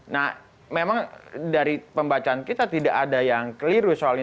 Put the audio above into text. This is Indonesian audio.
nah memang dari pembacaan kita tidak ada yang keliru soal ini